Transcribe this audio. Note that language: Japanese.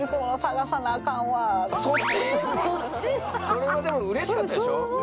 それはでもうれしかったでしょ？